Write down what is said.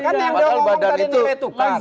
kan yang udah ngomong tadi nilai tukar